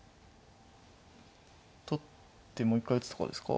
取ってもう一回打つとかですか？